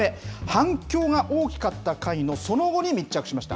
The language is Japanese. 反響が大きかった回のその後に密着しました。